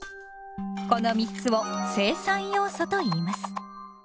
この３つを生産要素といいます。